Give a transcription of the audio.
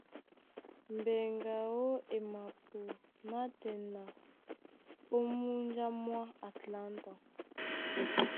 Mbɛŋgɛ aó e mapɔ nátɛna ó múnja mwá Atlanta.